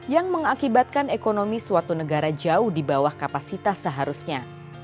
yang mengakibatkan ekonomi suatu negara jauh di bawah kapasitas seharusnya